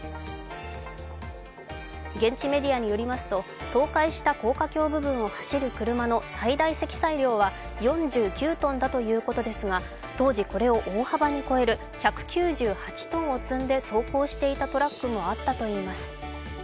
現地メディアによりますと倒壊した高架橋部分を走る車の最大積載量は４９ｔだということですが、当時、これを大幅に超える１９８ｔを積んで走行していたトラックもあったといいます。